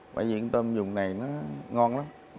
bởi vì con tôm dùng này nó ngon lắm